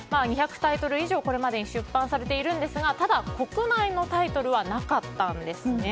２００タイトル以上これまでに出版されているんですがただ、国内のタイトルはなかったんですね。